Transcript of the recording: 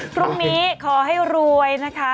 พรุ่งนี้ขอให้รวยนะคะ